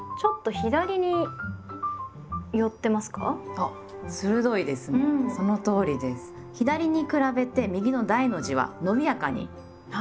左に比べて右の「大」の字はのびやかに見えますよね。